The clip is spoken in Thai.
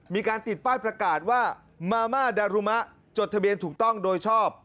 มีการติดป้ายประกาศว่ามาม่าดารุมะจดทะเบียนถูกต้องโดยชอบ